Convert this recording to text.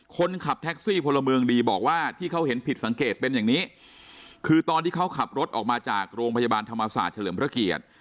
คนขับแท็กซี่พลเมืองดีบอกว่าที่เขาเห็นผิดสังเกตเป็นอย่างนี้คือตอนที่เขาขับรถออกมาจากโรงพยาบาลธรรมศาสตร์เฉลิมพระเกียรติ